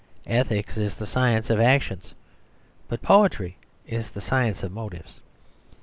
Ethics is the science of actions, but poetry is the science of motives.